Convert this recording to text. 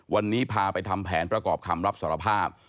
วันนี้พาไปทำแผนประกอบคำรับสารภาพ